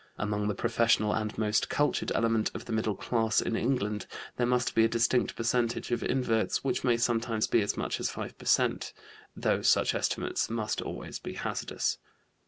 Among the professional and most cultured element of the middle class in England, there must be a distinct percentage of inverts which may sometimes be as much as 5 per cent., though such estimates must always be hazardous.